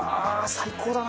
最高だな。